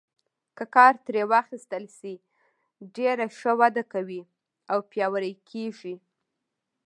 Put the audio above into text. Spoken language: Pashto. که کار ترې واخیستل شي ډېره ښه وده کوي او پیاوړي کیږي.